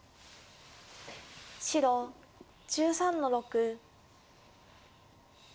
白１３の六。